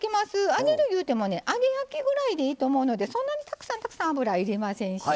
揚げるいうてもね揚げ焼きぐらいでいいと思うのでそんなにたくさんたくさん油要りませんしね。